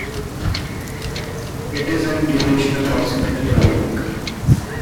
It is in duration approximately a week.